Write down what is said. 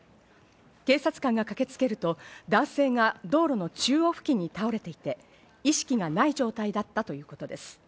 警察官が駆けつけると男性が道路の中央付近に倒れていて、意識がない状態だったということです。